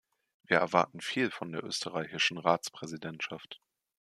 Wir erwarten viel von der österreichischen Ratspräsidentschaft.